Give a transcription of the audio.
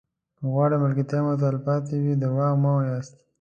که غواړئ ملګرتیا مو تلپاتې وي دروغ مه وایاست.